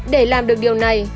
để làm được điều này